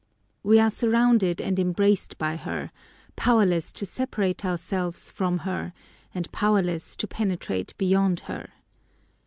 We are surrounded and embraced N by her : powerless to separate ourselves from her, and powerless to penetrate beyond her.